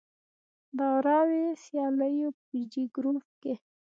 د غوراوي سیالیو په جې ګروپ کې